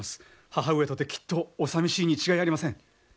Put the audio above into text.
母上とてきっとおさみしいに違いありません。